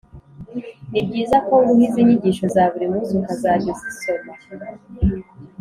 Ni byiza konguha izi nyigisho zaburi munsi ukazajya uzisoma